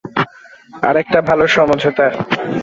আরেকটা ভাল সমঝোতা।